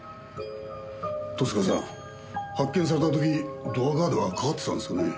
十津川さん発見された時ドアガードはかかってたんですよね。